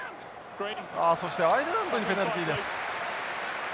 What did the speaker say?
ああそしてアイルランドにペナルティです。